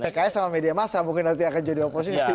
pks sama media massa mungkin nanti akan jadi oposisi